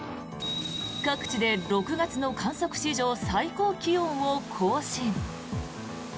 各地で６月の観測史上最高気温を更新。